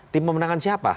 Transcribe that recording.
tim pemenangan siapa